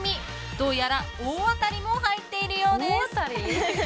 どうやら大当たりも入っているようです。